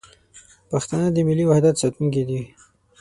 پښتانه د ملي وحدت ساتونکي دي.